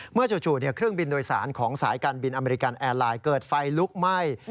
จู่เครื่องบินโดยสารของสายการบินอเมริกันแอร์ไลน์เกิดไฟลุกไหม้